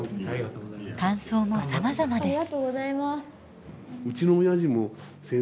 感想もさまざまです。